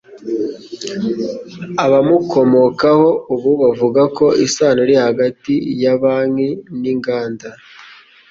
abamukomokaho ubu bavuga ko isano iri hagati ya banki n'inganda